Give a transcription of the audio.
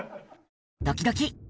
ドキドキ。